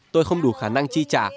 tôi không đủ khả năng chi trả